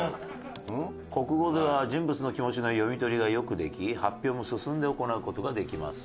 「国語では人物の気持ちの読み取りがよくでき発表も進んで行うことができます」